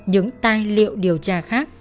những tài liệu điều tra khác